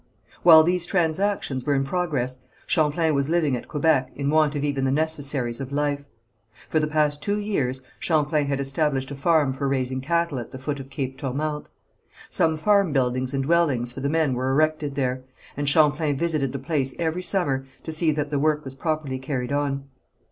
While these transactions were in progress Champlain was living at Quebec in want of even the necessaries of life. For the past two years Champlain had established a farm for raising cattle at the foot of Cape Tourmente. Some farm buildings and dwellings for the men were erected there, and Champlain visited the place every summer to see that the work was properly carried on.